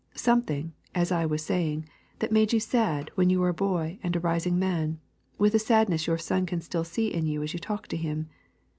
Something, as I was saying, that made you sad when you were a boy and a rising man, with a sadness your son can still see in you as you talk to him.